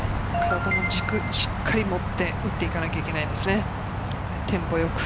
軸をしっかり持って打っていかなきゃいけないですね、テンポよく。